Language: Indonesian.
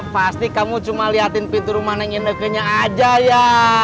pasti kamu cuma liatin pintu rumah neng inekenya aja ya